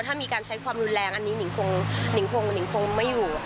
ถ้ามีการใช้ความรุนแรงอันนี้หิงคงหิงคงไม่อยู่